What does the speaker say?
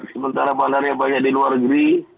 sementara bandarnya banyak di luar negeri